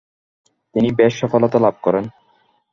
তিনি বেশ সফলতা লাভ করেন।